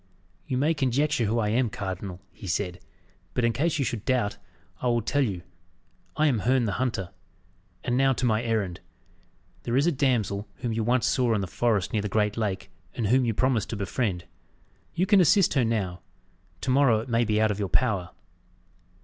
"You may conjecture who I am, cardinal," he said, "but in case you should doubt, I will tell you. I am Herne the Hunter! And now to my errand. There is a damsel, whom you once saw in the forest near the great lake, and whom you promised to befriend. You can assist her now to morrow it may be out of your power."